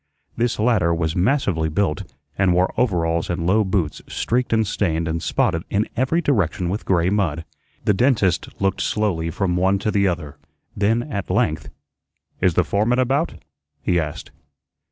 This latter was massively built, and wore overalls and low boots streaked and stained and spotted in every direction with gray mud. The dentist looked slowly from one to the other; then at length, "Is the foreman about?" he asked.